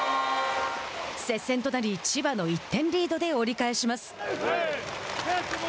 接戦となり千葉の１点リードで折り返します。